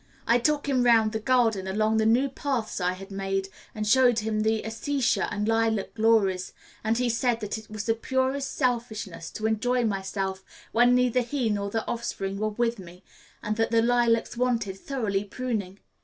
I took him round the garden along the new paths I had had made, and showed him the acacia and lilac glories, and he said that it was the purest selfishness to enjoy myself when neither he nor the offspring were with me, and that the lilacs wanted thoroughly pruning.